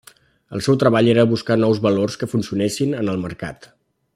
El seu treball era buscar nous valors que funcionessin en el mercat.